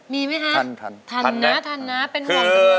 มีไหมฮะทันนะทันนะเป็นรอย